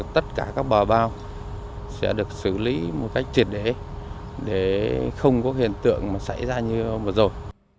tất cả các bò bao sẽ được xử lý một cách triệt để để không có hiện tượng xảy ra như vừa rồi